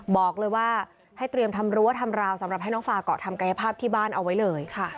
บอกเลยว่าให้เตรียมทำรั้วทำราวสำหรับให้น้องฟาเกาะทำกายภาพที่บ้านเอาไว้เลยค่ะ